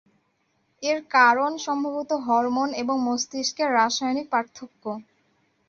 এর কারণ সম্ভবত হরমোন এবং মস্তিষ্কের রাসায়নিক পার্থক্য।